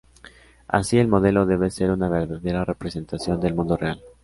Así, el modelo debe ser una verdadera representación del mundo real.